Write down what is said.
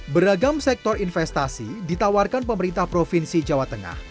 beragam sektor investasi ditawarkan pemerintah provinsi jawa tengah